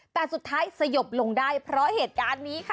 แต่สุดท้ายสยบลงได้เพราะเหตุการณ์นี้ค่ะ